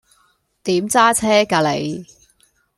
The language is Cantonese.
點揸車㗎你